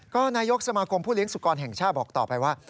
ก็นายกสมาคมผู้เลี้ยสุกรแห่งชาติบอกต่อไปว่า